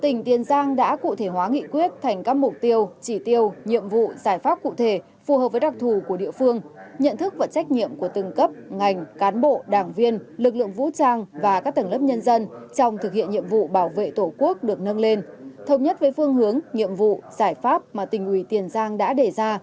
tỉnh tiền giang đã cụ thể hóa nghị quyết thành các mục tiêu chỉ tiêu nhiệm vụ giải pháp cụ thể phù hợp với đặc thù của địa phương nhận thức và trách nhiệm của từng cấp ngành cán bộ đảng viên lực lượng vũ trang và các tầng lớp nhân dân trong thực hiện nhiệm vụ bảo vệ tổ quốc được nâng lên